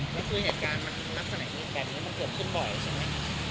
แล้วคือเหตุการณ์มันลักษณะแบบนี้มันเกิดขึ้นบ่อยใช่ไหม